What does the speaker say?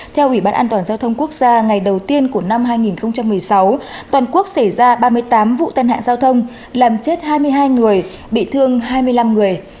theo ủy ban an toàn giao thông quốc gia ngày đầu tiên của năm hai nghìn một mươi sáu toàn quốc xảy ra ba mươi tám vụ tai nạn giao thông làm chết hai mươi hai người bị thương hai mươi năm người